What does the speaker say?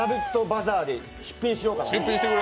バザーで出品しようかと。